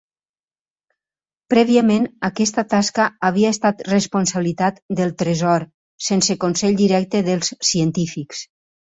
Prèviament aquesta tasca havia estat responsabilitat del Tresor sense consell directe dels científics.